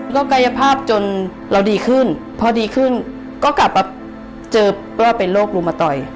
ก็กายภาพจนเราดีขึ้นพอดีขึ้นก็กลับมาเจอว่าเป็นโรครุมตอย